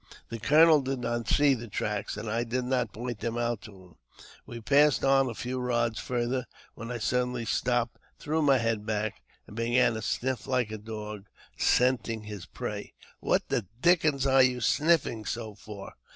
The colonel did not see the tracks, and I did not point them out to him. We passed on a few rods farther, when 1 suddenly stopped, threw my head back, and began to sniff hke a dog scenting his prey. ♦* What the dickens are you sniffing so for